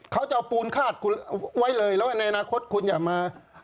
เขาจะเอาปูนคาดคุณไว้เลยแล้วในอนาคตคุณอย่ามา